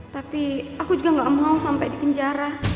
tapi aku juga gak mau sampai di penjara